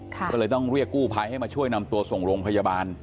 ก็เลยต้องเรียกกู้ภัยให้มาช่วยนำตัวส่งโรงพยาบาล